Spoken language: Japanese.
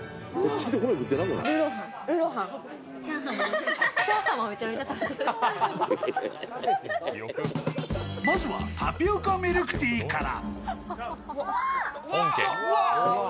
しかもまずはタピオカミルクティーから。